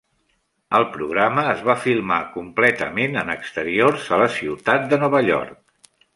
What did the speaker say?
El programa es va filmar completament en exteriors a la ciutat de Nova York.